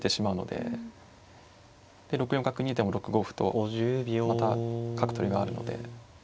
で６四角逃げても６五歩とまた角取りがあるので。